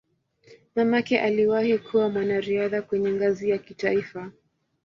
Mamake aliwahi kuwa mwanariadha kwenye ngazi ya kitaifa.